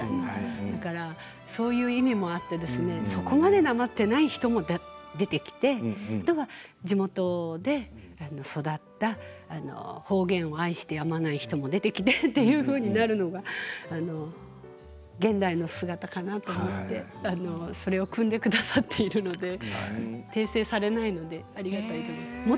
だからそういう意味もあってそこまで、なまっていない人も出てきてあとは地元で育った方言を愛してやまない人も出てきてというふうになるのが現代の姿かなと思ってそれをくんでくださっているので訂正されないのでありがたいと思います。